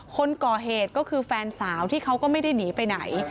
คนก่อเหตุก็คือแฟนสาวที่เขาก็ไม่ได้หนีไปไหน